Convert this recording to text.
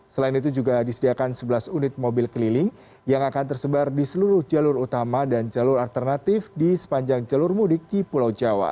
selain itu juga disediakan sebelas unit mobil keliling yang akan tersebar di seluruh jalur utama dan jalur alternatif di sepanjang jalur mudik di pulau jawa